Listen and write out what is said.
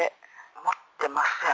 持っていません。